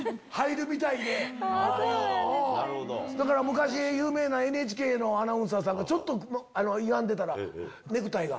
昔有名なＮＨＫのアナウンサーさんがちょっとゆがんでたらネクタイが。